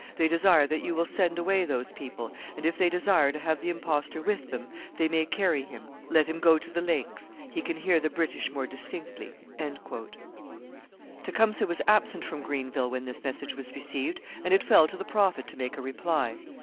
They desire that you will send away those people, and if they desire to have the impostor with them, they may carry him. Let him go to the lakes; he can hear the British more distinctly. Tecumseh was absent from Greenville when this message was received, and it fell to the Prophet to make a reply.